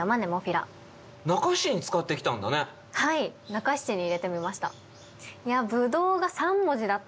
中七に入れてみました。